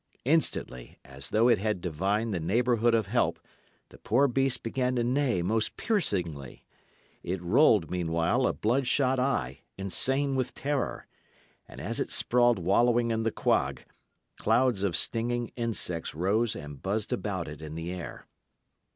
Instantly, as though it had divined the neighbourhood of help, the poor beast began to neigh most piercingly. It rolled, meanwhile, a blood shot eye, insane with terror; and as it sprawled wallowing in the quag, clouds of stinging insects rose and buzzed about it in the air.